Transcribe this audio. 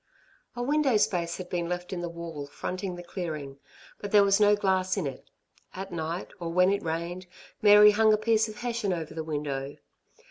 A window space had been left in the wall fronting the clearing; but there was no glass in it. At night, or when it rained, Mary hung a piece of hessian over the window.